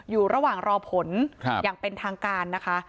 อยู่ระหว่างรอผลอย่างเป็นทางการนะคะ